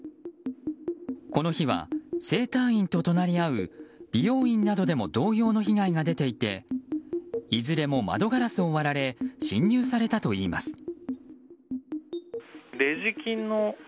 この日は、整体院と隣り合う美容院でも同様の被害が出ていていずれも窓ガラスを割られ侵入されたといいます。